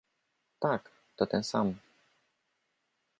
"Tak, to ten sam."